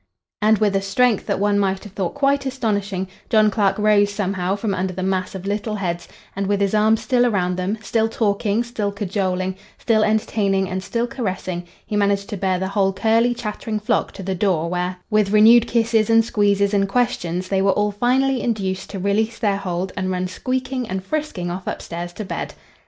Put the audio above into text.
And, with a strength that one might have thought quite astonishing, John Clark rose somehow from under the mass of little heads, and, with his arms still around them, still talking, still cajoling, still entertaining and still caressing, he managed to bear the whole curly, chattering flock to the door where, with renewed kisses and squeezes and questions, they were all finally induced to release their hold and run squeaking and frisking off upstairs to bed.